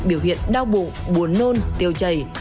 biểu hiện đau bụng buồn nôn tiêu chảy